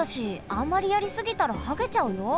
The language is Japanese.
あんまりやりすぎたらはげちゃうよ。